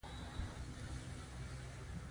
ایا زه باید چپس وخورم؟